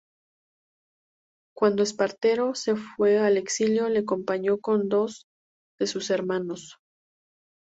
Cuando Espartero se fue al exilio le acompañó con dos de sus hermanos.